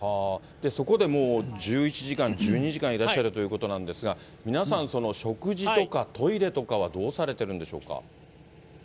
そこでもう１１時間、１２時間いらっしゃるということなんですが、皆さん、食事とかトイレとかはどうされてるんでしょうか。